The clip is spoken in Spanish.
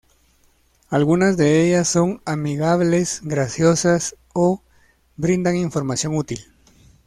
Algunas de ellas son amigables, graciosas, o brindan información útil.